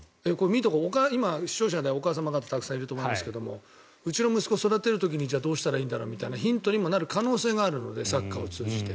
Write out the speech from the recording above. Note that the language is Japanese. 今、視聴者でお母さま方たくさんいると思うんですけどうちの息子を育てる時にどうしたらいいんだろうっていうヒントになる可能性もあるのでサッカーを通じて。